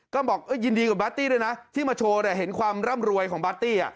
ก็บอกยินดีกับบาร์ตี้ด้วยนะที่มาโชว์เห็นความร่ำรวยของบาร์ตี้